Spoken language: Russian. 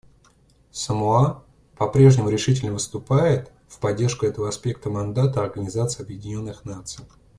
Самоа по-прежнему решительно выступает в поддержку этого аспекта мандата Организации Объединенных Наций.